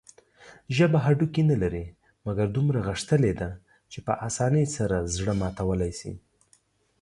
ژبه هډوکي نلري، مګر دومره غښتلي ده چې په اسانۍ سره زړه ماتولى شي.